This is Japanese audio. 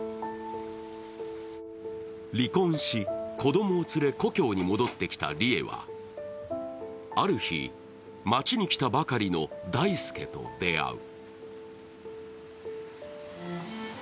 離婚し、子供を連れ故郷に戻ってきた里枝はある日、町に来たばかりの大祐と出会う。